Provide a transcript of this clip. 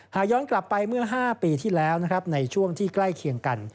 ย้อนกลับไปเมื่อ๕ปีที่แล้วนะครับในช่วงที่ใกล้เคียงกัน